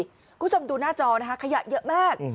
คุณผู้ชมดูหน้าจอนะคะขยะเยอะมาก